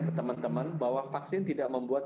ke teman teman bahwa vaksin tidak membuat